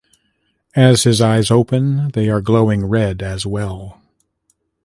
As his eyes open they are glowing red as well.